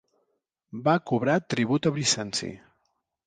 Va cobrar tribut a Bizanci.